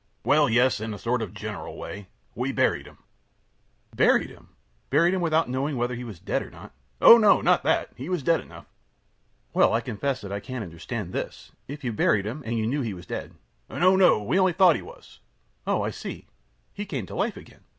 A. Well, yes, in a sort of general way. We buried him Q. Buried him! Buried him, without knowing whether he was dead or not? A. Oh, no! Not that. He was dead enough. Q. Well, I confess that I can't understand this. If you buried him, and you knew he was dead. A. No! no! We only thought he was. Q. Oh, I see! He came to life again?